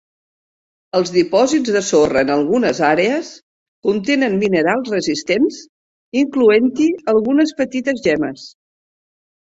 Els dipòsits de sorra en algunes àrees contenen minerals resistents, incloent-hi algunes petites gemmes.